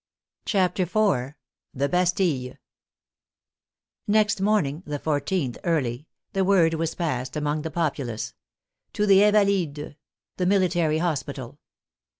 CHAPTER IV THE BASTILLE Next morning (the 14th) early, the word was passed among the populace, " To the Invalides !" the military hospital.